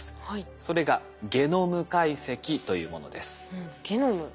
それがゲノム解析というものです。